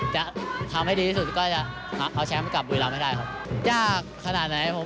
แต่สิทธิแยกก็เลยน่าหยุด